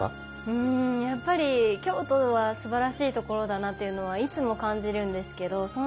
うんやっぱり京都はすばらしい所だなっていうのはいつも感じるんですけど